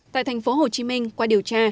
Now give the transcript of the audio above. tại thành phố hồ chí minh qua điều tra